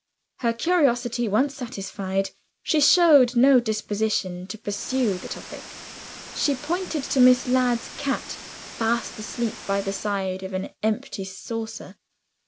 Her curiosity once satisfied, she showed no disposition to pursue the topic. She pointed to Miss Ladd's cat, fast asleep by the side of an empty saucer.